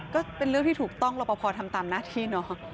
ก็เป็นเรื่องที่ถูกต้องรอปภทำตามหน้าที่เนาะ